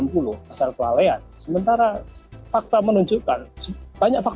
tapi kepada saya keyakinan baru benar benar di empty